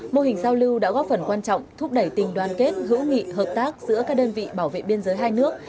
mô hình giao lưu đã góp phần quan trọng thúc đẩy tình đoàn kết hữu nghị hợp tác giữa các đơn vị bảo vệ biên giới hai nước